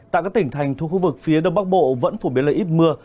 tại các tỉnh thành thuộc khu vực phía đông bắc bộ vẫn phủ biến lợi ít mưa